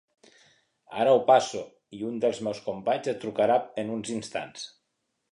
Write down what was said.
Ara ho passo i un dels meus companys et trucarà en uns instants.